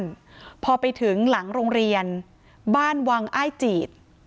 พอไปถึงหลังโรงเรียนบ้านวังอ้ายจีด